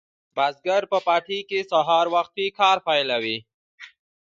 بزګر په پټي کې سهار وختي کار پیلوي.